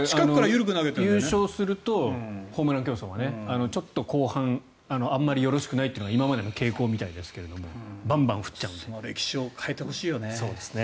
優勝するとホームラン競争はねちょっと後半あまりよろしくないというのが今までの傾向みたいですが歴史を変えてほしいよね。